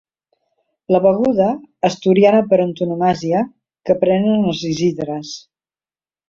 La beguda, asturiana per antonomàsia, que prenen els Isidres.